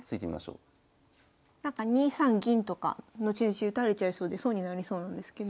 なんか２三銀とか後々打たれちゃいそうで損になりそうなんですけど。